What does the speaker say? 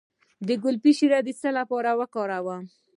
د ګلپي شیره د څه لپاره وکاروم؟